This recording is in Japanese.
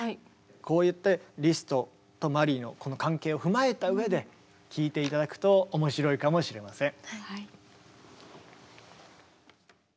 こうやってリストとマリーのこの関係を踏まえた上で聴いて頂くと面白いかもしれません。